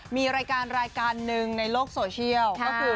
มีรายการรายการหนึ่งในโลกโซเชียลก็คือ